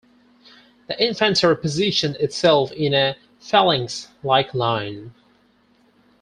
The infantry positioned itself in a phalanx-like line.